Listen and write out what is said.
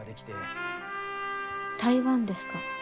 台湾ですか。